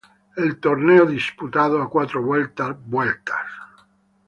El torneo disputado a cuatro vueltas vueltas.